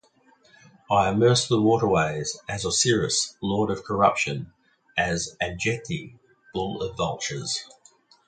I immerse the waterways as Osiris, Lord of corruption, as Adjety, bull of vultures.